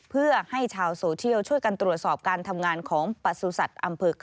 เพื่อให้ชาวโซเชียลช่วยกันตรวจสอบการทำงานของประสุทธิ์อำเภอ